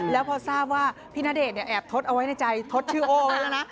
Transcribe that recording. แล้วพอทราบว่าพี่ณเดชน์เนี่ยแอบทดเอาไว้ในใจทดชื่อโอ้ไว้แล้วนะ